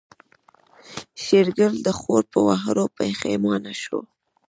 شېرګل د خور په وهلو پښېمانه شو.